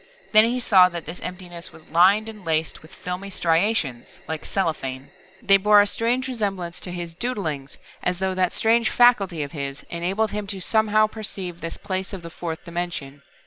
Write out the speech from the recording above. Then he saw that this emptiness was lined and laced with filmy striations, like cellophane. They bore a strange resemblance to his "doodlings," as though that strange faculty of his enabled him to somehow perceive this place of the fourth dimension.